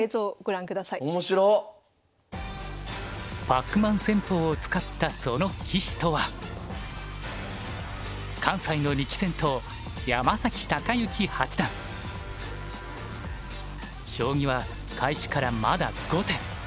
パックマン戦法を使ったその棋士とは関西の力戦党将棋は開始からまだ５手。